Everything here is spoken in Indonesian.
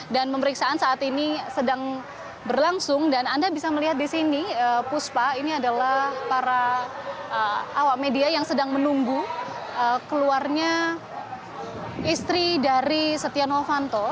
dan pemeriksaan saat ini sedang berlangsung dan anda bisa melihat di sini puspa ini adalah para awak media yang sedang menunggu keluarnya istri dari setia novanto